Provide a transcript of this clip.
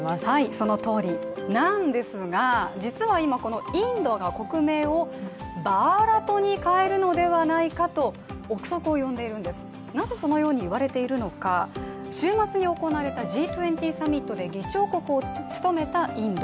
そのとおりなんですが実はこのインドが国名をバーラトに変えるんではないかと臆測を呼んでいるんですなぜそのようにいわれているのか週末に行われたＧ２０サミットで議長国を務めたインド。